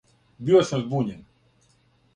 Био сам збуњен.